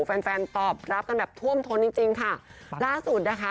แฟนตอบรับกันแบบท่วมทนจริงค่ะล่าสุดนะคะ